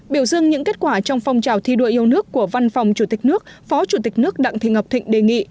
biểu dương những kết quả trong phong trào thi đua yêu nước của văn phòng chủ tịch nước phó chủ tịch nước đặng thị ngọc thịnh đề nghị